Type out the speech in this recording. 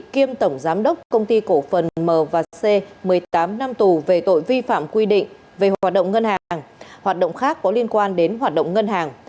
kiêm tổng giám đốc công ty cổ phần m và c một mươi tám năm tù về tội vi phạm quy định về hoạt động ngân hàng hoạt động khác có liên quan đến hoạt động ngân hàng